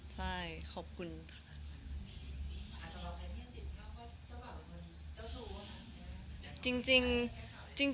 ใช่ขอบคุณค่ะ